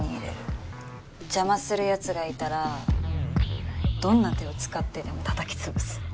邪魔する奴がいたらどんな手を使ってでもたたき潰す。